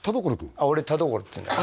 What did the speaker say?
ああ俺田所っていうんだよ